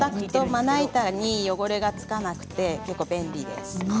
まな板に汚れが付かないので便利です。